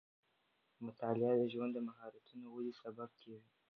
مطالعه د ژوند د مهارتونو ودې سبب کېږي.